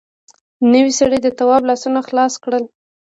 نوي سړي د تواب لاسونه خلاص کړل.